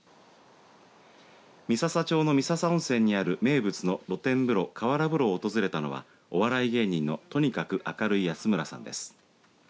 三朝町の三朝温泉にある名物の露天風呂河原風呂を訪れたのはお笑い芸人のとにかく明るい安村さんです。